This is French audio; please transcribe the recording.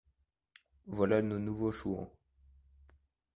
Voilà nos nouveaux Chouans